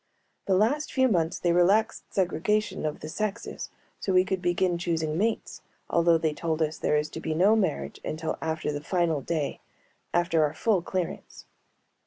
The last few months they relaxed segregation of the sexes so we could begin choosing mates, although they told us there is to be no marriage until after the final day, after our full clearance.